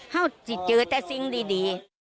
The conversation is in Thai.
เขาจะเจอแต่สิ่งดี